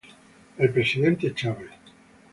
El presidente Chaves.